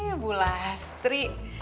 ihh bu lastri